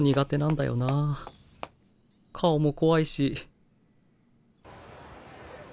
顔も怖いし